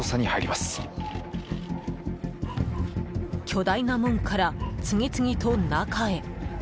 巨大な門から、次々と中へ。